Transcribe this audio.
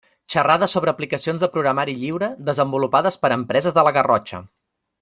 Xerrades sobre aplicacions de programari lliure desenvolupades per empreses de la Garrotxa.